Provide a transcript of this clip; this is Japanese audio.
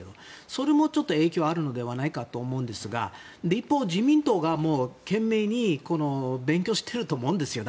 それも影響あるのではないかと思うのですが一方、自民党が懸命に勉強していると思うんですよ。